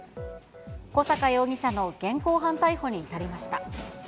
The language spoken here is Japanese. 小阪容疑者の現行犯逮捕に至りました。